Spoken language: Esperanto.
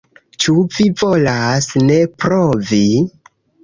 Ĉu vi volas ne provi?